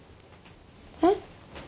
えっ？